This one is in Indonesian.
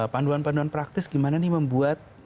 panduan panduan praktis gimana nih membuat